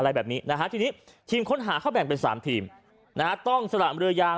อะไรแบบนี้นะฮะทีนี้ทีมค้นหาเขาแบ่งเป็นสามทีมนะฮะต้องสละเรือยาง